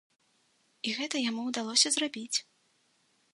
І гэта яму ўдалося зрабіць.